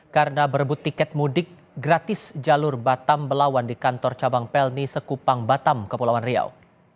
karena berbut tiket mudik gratis jalur batam melawan di kantor cabang pelni sekupang batam kepulauan riau